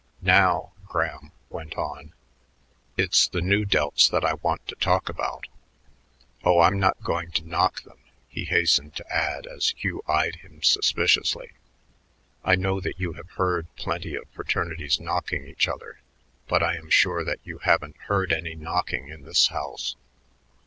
"Now," Graham went on, "it's the Nu Delts that I want to talk about. Oh, I'm not going to knock them," he hastened to add as Hugh eyed him suspiciously. "I know that you have heard plenty of fraternities knocking each other, but I am sure that you haven't heard any knocking in this house."